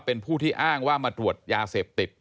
เป็นผู้ที่อ้างว่ามาตรวจยาเสพติด